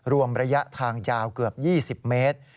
รวมระยะทางยาวเกือบ๒๐เมตร